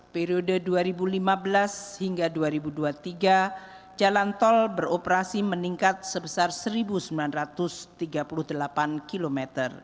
periode dua ribu lima belas hingga dua ribu dua puluh tiga jalan tol beroperasi meningkat sebesar satu sembilan ratus tiga puluh delapan km